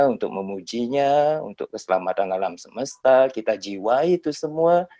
untuk memujinya untuk keselamatan alam semesta kita jiwai itu semua